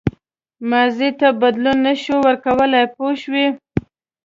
ماضي ته بدلون نه شو ورکولای پوه شوې!.